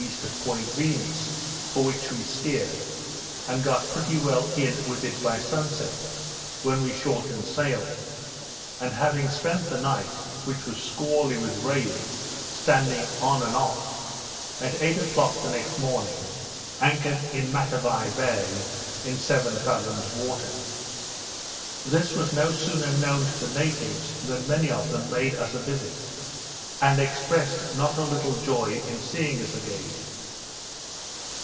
of Point Venus, for which we steered, and got pretty well in with it by sun set, when we shortened sail; and having spent the night, which was squally with rain, standing on and off, at eight o'clock the next morning anchored in Matavai Bay in seven fathoms water. This was no sooner known to the natives, than many of them made us a visit, and expressed not a little joy at seeing us again.